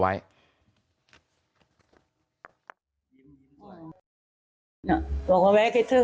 หลังจากก้อนเยื่อเตี้ยเนี่ย